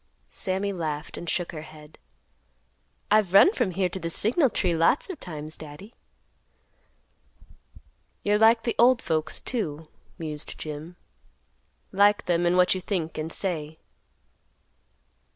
Sammy laughed, and shook her head; "I've run from here to the signal tree, lots of times, Daddy." "You're like the old folks, too," mused Jim; "like them in what you think and say."